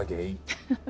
フフフ。